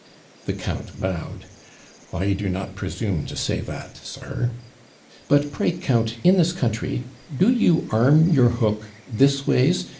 The count bowed: 'I do not presume to say that, sir.' 'But pray, count, in this country, do you arm your hook this ways?